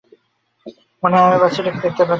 মনে হয় আমি বাচ্চাটিকে দেখতে পেয়েছি।